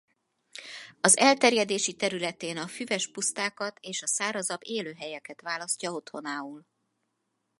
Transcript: Az elterjedési területén a füves pusztákat és a szárazabb élőhelyeket választja otthonául.